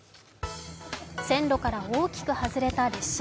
線路から大きく外れた列車。